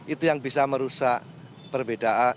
itu yang bisa merusak perbedaan